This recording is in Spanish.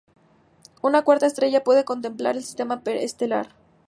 Una cuarta estrella puede completar el sistema estelar.